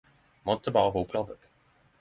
Måtte berre oppklare dette!